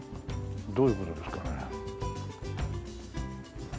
どういう事ですかね？